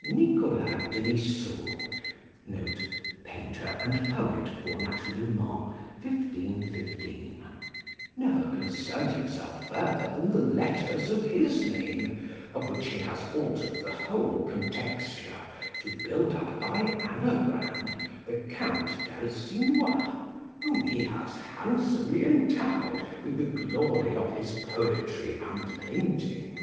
Nicholas Denisot [Painter and poet, born at Le Mans,1515.] never concerned himself further than the letters of his name, of which he has altered the whole contexture to build up by anagram the Count d'Alsinois, whom he has handsomely endowed with the glory of his poetry and painting.